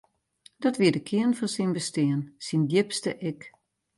Dat wie de kearn fan syn bestean, syn djipste ik.